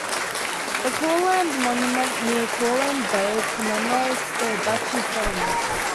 The Courland Monument near Courland Bay commemorates the Duchy's settlements.